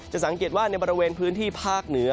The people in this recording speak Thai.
สังเกตว่าในบริเวณพื้นที่ภาคเหนือ